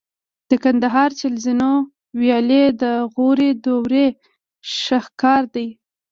د کندهار د چل زینو ویالې د غوري دورې شاهکار دي